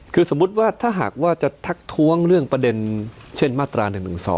คือสมมุติว่าถ้าหากว่าจะทักท้วงเรื่องประเด็นเช่นมาตรา๑๑๒